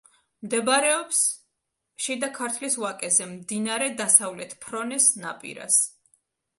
მდებარეობს შიდა ქართლის ვაკეზე, მდინარე დასავლეთ ფრონეს ნაპირას.